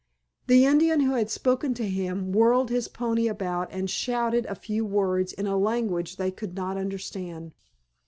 The Indian who had spoken to him whirled his pony about and shouted a few words in a language they could not understand.